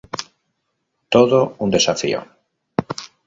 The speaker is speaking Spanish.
Todo un desafío.